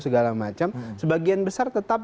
segala macam sebagian besar tetap